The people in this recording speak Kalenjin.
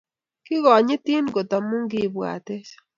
Kigonyitin kot amu Ki-ibwatech -